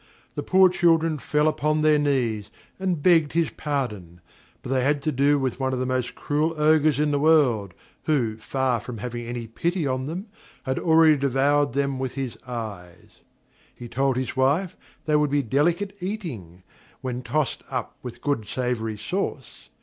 The poor children fell upon their knees, and begged his pardon; but they had to do with one of the most cruel Ogres in the world, who, far from having any pity on them, had already devoured them with his eyes; he told his wife they would be delicate eating, when tossed up with good savoury sauce.